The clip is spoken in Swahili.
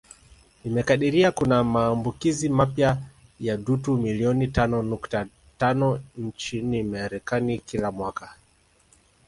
Imekadiria kuna maambukizi mapya ya dutu milioni tano nukta tano nchini Marekani kila mwaka